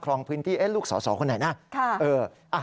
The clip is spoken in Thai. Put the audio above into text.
รองพื้นที่ลูกสอสอคนไหนนะ